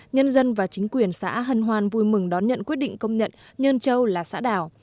nhân dân và chính quyền xã hân hoan vui mừng đón nhận quyết định công nhận nhân châu là xã đảo